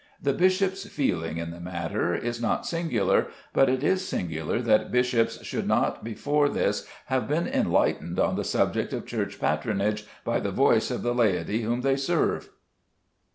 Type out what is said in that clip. The bishop's feeling in the matter is not singular, but it is singular that bishops should not before this have been enlightened on the subject of Church patronage by the voice of the laity whom they serve.